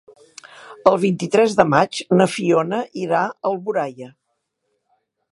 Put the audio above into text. El vint-i-tres de maig na Fiona irà a Alboraia.